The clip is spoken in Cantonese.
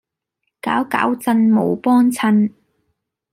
攪攪震，冇幫襯